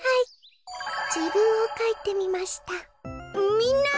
みんな！